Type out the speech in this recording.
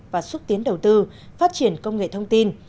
và xúc tiến đầu tư phát triển công nghệ thông tin